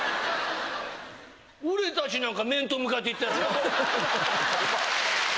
俺たちなんか面と向かって言ったよな？